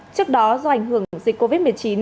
trước đó do ảnh hưởng dịch covid một mươi chín